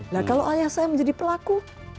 nah kalau ayah saya menjadi pelaku